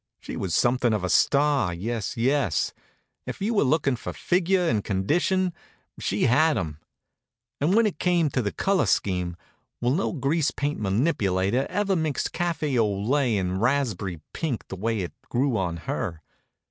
She was something of a star, yes, yes! If you were lookin' for figure and condition, she had 'em. And when it came to the color scheme well, no grease paint manipulator ever mixed caffy o lay and raspb'ry pink the way it grew on her.